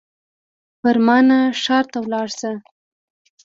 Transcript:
فرمانه ښار ته ولاړ سه.